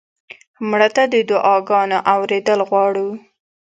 مړه ته د دعا ګانو اورېدل غواړو